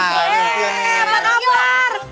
hei apa kabar